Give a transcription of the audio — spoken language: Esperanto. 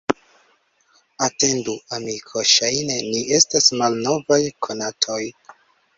Atendu, amiko, ŝajne ni estas malnovaj konatoj!